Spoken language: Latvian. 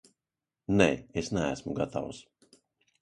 Nē, es neesmu gatavs.